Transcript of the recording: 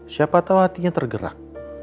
siapa tau hatinya tergerak